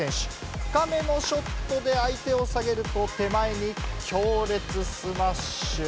深めのショットで相手を下げると手前に強烈スマッシュ。